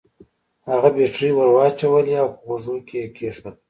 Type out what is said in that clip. هغه بېټرۍ ور واچولې او په غوږو کې يې کېښوده.